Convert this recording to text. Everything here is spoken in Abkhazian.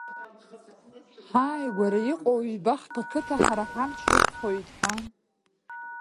Ҳааигәара иҟоу ҩба-хԥа қыҭа ҳара ҳамч рықәхоит ҳәа.